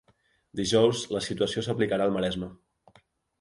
Dijous la situació s'aplicarà al Maresme.